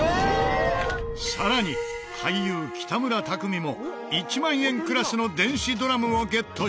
更に俳優北村匠海も１万円クラスの電子ドラムをゲットしている。